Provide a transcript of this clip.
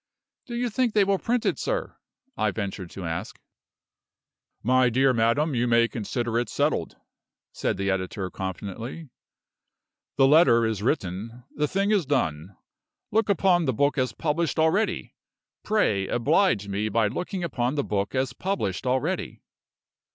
"Do you think they will print it, sir?" I ventured to ask. "My dear madam, you may consider it settled," said the editor, confidently. "The letter is written the thing is done. Look upon the book as published already; pray oblige me by looking upon the book as published already."